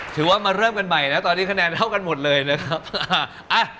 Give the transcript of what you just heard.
ถือว่ามาเริ่มกันใหม่นะตอนนี้คะแนนเท่ากันหมดเลยนะครับ